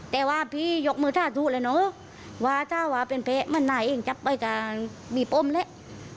แต่ว่าพี่ยกมือท่าสู้เลยเนอะว่าถ้าว่าเป็นแพ้มันไหนเองจับไปกับมีปมเลย